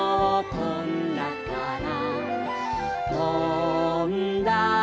「とんだから」